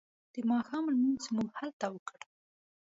د ماښام لمونځ مو هلته وکړ.